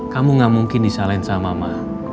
kamu gak mungkin disalahin sama mah